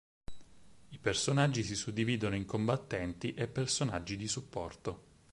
I personaggi si suddividono in Combattenti e Personaggi di Supporto.